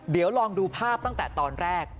เดี๋ยวลองดูภาพตั้งแต่ตอนแรก